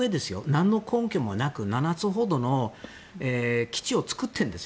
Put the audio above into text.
なんの根拠もなく７つほどの基地を作ってるんです